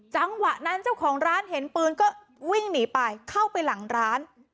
จังหวะนั้นเจ้าของร้านเห็นปืนก็วิ่งหนีไปเข้าไปหลังร้าน